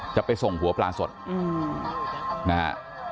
จะไปส่งหัวปลาสดนะฮะ